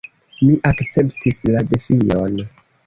Mi akceptis la defion.